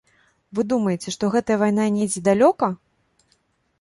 Вы думаеце, што гэтая вайна недзе далёка?